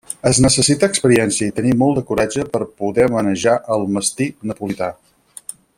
Es necessita experiència i tenir molt de coratge per poder manejar al Mastí Napolità.